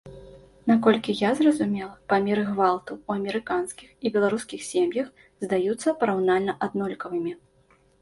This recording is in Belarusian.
Наколькі я зразумела, памеры гвалту ў амерыканскіх і беларускіх сем'ях здаюцца параўнальна аднолькавымі.